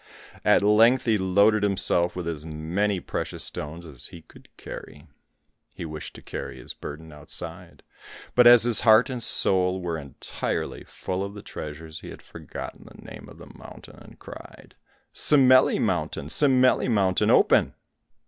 At length he loaded himself with as many precious stones as he could carry. He wished to carry his burden outside, but, as his heart and soul were entirely full of the treasures, he had forgotten the name of the mountain, and cried, "Simeli mountain, Simeli mountain, open."